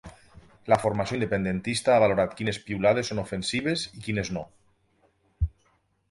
La formació independentista ha valorat quines piulades són ofensives i quines no.